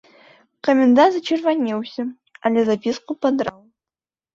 Камендант зачырванеўся, але запіску падраў.